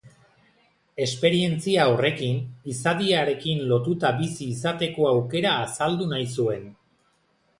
Esperientzia horrekin izadiarekin lotuta bizi izateko aukera azaldu nahi zuen.